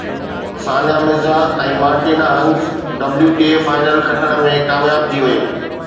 ثانيه Mirza ۽ Martina Hingis WTA final کٽڻ ۾ ڪامياب ٿي ويون